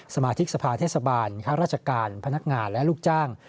มาธิกสภาเทศบาลข้าราชการพนักงานและลูกจ้าง